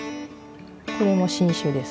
これも新酒です。